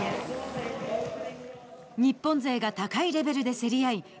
日本勢が高いレベルで競り合い